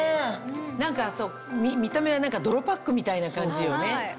何か見た目は泥パックみたいな感じよね。